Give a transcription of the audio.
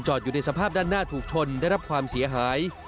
อยู่ในสภาพด้านหน้าถูกชนได้รับความเสียหาย